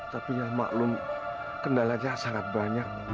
tapi ya maklum kendalanya sangat banyak